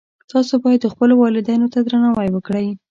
تاسو باید خپلو والدینو ته درناوی وکړئ